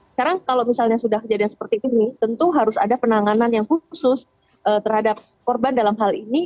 sekarang kalau misalnya sudah kejadian seperti ini tentu harus ada penanganan yang khusus terhadap korban dalam hal ini